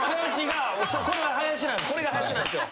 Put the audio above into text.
これが林なんすよ！